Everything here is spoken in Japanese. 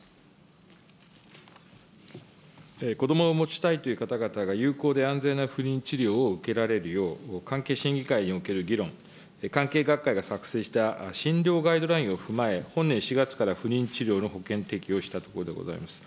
子どもを持ちたいという方々が有効で安全な不妊治療を受けられるよう、関係審議会における議論、関係学会が作成した診療ガイドラインを踏まえ、本年４月から不妊治療の保険適用をしたところでございます。